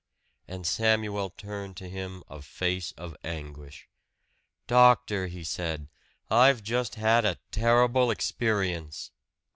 And Samuel turned to him a face of anguish. "Doctor," he said, "I've just had a terrible experience."